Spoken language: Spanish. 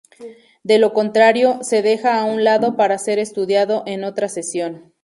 De lo contrario, se deja a un lado para ser estudiado en otra sesión.